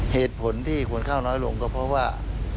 เหตุผลที่ควรเข้าน้อยลงก็เพราะว่า